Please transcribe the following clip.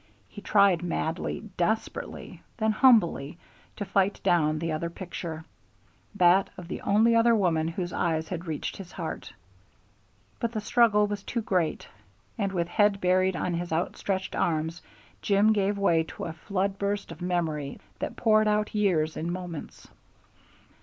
He tried madly, desperately, then humbly, to fight down the other picture that of the only other woman whose eyes had reached his heart; but the struggle was too great, and with head buried on his outstretched arms Jim gave way to a flood burst of memory that poured out years in moments.